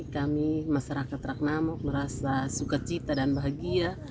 kami masyarakat ragnamo merasa suka cita dan bahagia